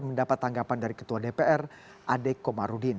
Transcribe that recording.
mendapat tanggapan dari ketua dpr ade komarudin